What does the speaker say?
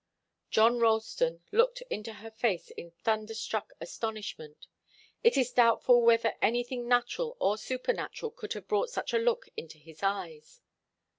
John Ralston looked into her face in thunder struck astonishment. It is doubtful whether anything natural or supernatural could have brought such a look into his eyes.